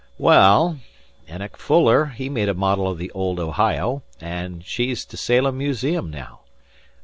"Wa al, Enoch Fuller he made a model o' the old Ohio, and she's to Calem museum now.